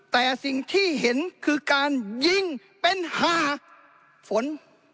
แต่สิ่งที่เห็นคือการยิงเป็นห้าฝน